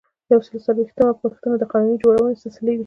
یو سل او څلویښتمه پوښتنه د قانون جوړونې سلسلې دي.